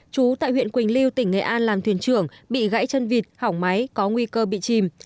chú tại huyện quỳnh lưu tỉnh nghệ an làm thuyền trưởng bị gãy chân vịt hỏng máy có nguy cơ bị chìm